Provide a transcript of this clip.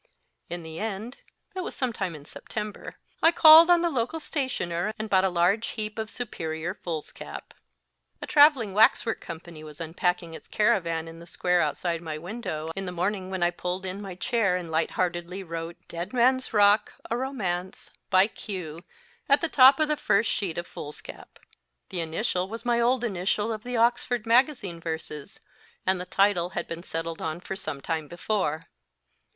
In the end it was some time in September I called on the local stationer and bought a large heap of superior foolscap. A travelling waxwork company was unpacking its caravan in the square outside my window on the morning when I FOWEY GRAMMAR SCHOOL CREW AND MR. QUILLER COUCH pulled in my chair and light heartedly wrote Dead Man s Rock (a Romance), by Q./ at the top of the first sheet of foolscap. The initial was my old initial of the Oxford Magazine verses, and the title had been settled on for some time before.